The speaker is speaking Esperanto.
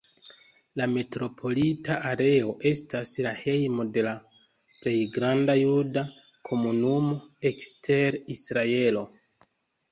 La metropolita areo estas la hejmo de la plej granda juda komunumo ekster Israelo.